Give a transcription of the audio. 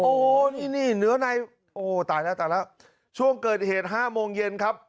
โอ้โหนี่นี่เนื้อในโอ้ตายแล้วตายแล้วช่วงเกิดเหตุ๕โมงเย็นครับ